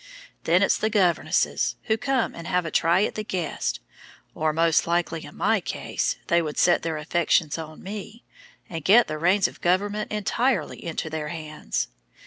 Then it's the governesses, who come and have a try at the guests, or most likely in my case they would set their affections on me, and get the reins of government entirely into their hands.